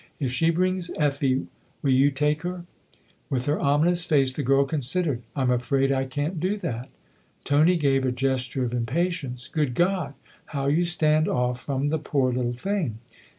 " If she brings Effie will you take her ?" With her ominous face the girl considered. " I'm afraid I can't do that." Tony gave a gesture of impatience. " Good God, how you stand off from the poor little thing